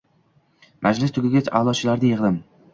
Majlis tugagach, a’lochilarni yig‘dim.